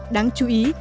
đáng chú ý